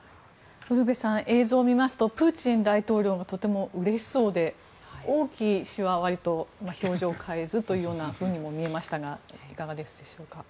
ウルヴェさん映像を見ますとプーチン大統領がとてもうれしそうで王毅氏は、わりと表情を変えずというふうにも見えましたがいかがでしたでしょうか。